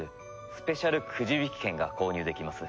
スペシャルくじ引き券が購入できます。